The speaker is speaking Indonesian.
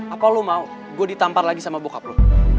apa lo mau gue ditampar lagi sama bokap lo